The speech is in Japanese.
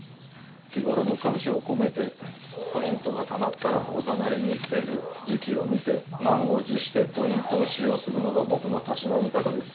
日頃の感謝を込めてポイントがたまったらおざなりにせず時期を見て満を持してポイントを使用するのが僕のたしなみ方です。